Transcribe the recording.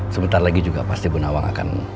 sebentar lagi juga pasti ibu nawang akan